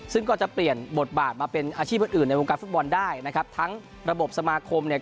ซึ่งก็จะเปลี่ยนบทบาทมาเป็นอาชีพอื่นอื่นในวงการฟุตบอลได้นะครับทั้งระบบสมาคมเนี่ย